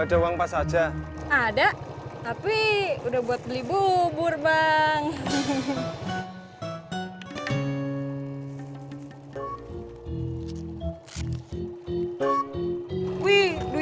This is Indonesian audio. sampai jumpa di video selanjutnya